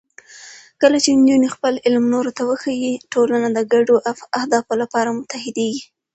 کله چې نجونې خپل علم نورو ته وښيي، ټولنه د ګډو اهدافو لپاره متحدېږي.